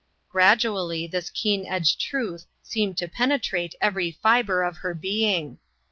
Gradually this keen edged truth seemed to penetrate every fibre of her being.